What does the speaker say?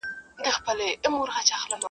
ځيني خلک غوسه دي او ځيني خاموش ولاړ دي,